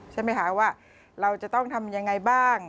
ใช่ไหมคะว่าเราจะต้องทำยังไงบ้าง